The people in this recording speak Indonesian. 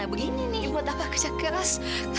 begini nih buat apa kerja keras